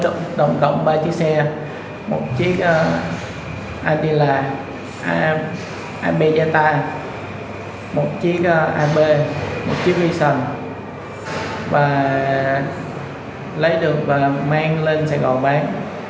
một chiếc ap một chiếc nissan và lấy được và mang lên sài gòn bán